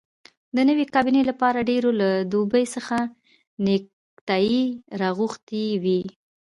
د نوې کابینې لپاره ډېرو له دوبۍ څخه نیکټایي راغوښتي وې.